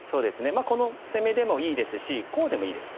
まあこの攻めでもいいですしこうでもいいです。